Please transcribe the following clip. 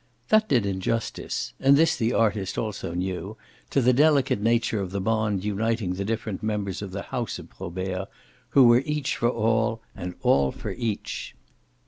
That did injustice and this the artist also knew to the delicate nature of the bond uniting the different members of the house of Probert, who were each for all and all for each.